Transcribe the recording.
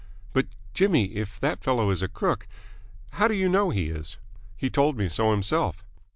"But, Jimmy, if that fellow is a crook how do you know he is?" "He told me so himself."